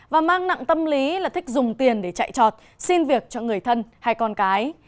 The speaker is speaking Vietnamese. và mang nặng tâm lý là thích dùng tiền để chạy trọt xin việc cho người thân hay con cái